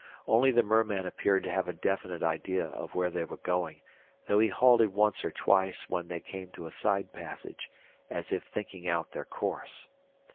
Only the merman appeared to have a definite idea of where they were going, though he halted once or twice when they came to a side passage as if thinking out their course.